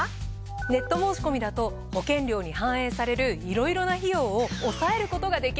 ネット申し込みだと保険料に反映されるいろいろな費用を抑えることができるからなんです。